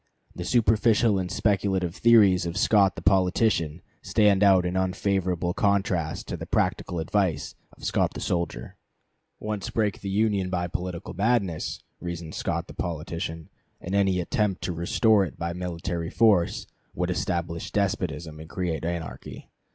The superficial and speculative theories of Scott the politician stand out in unfavorable contrast to the practical advice of Scott the soldier. Once break the Union by political madness, reasons Scott the politician, and any attempt to restore it by military force would establish despotism and create anarchy.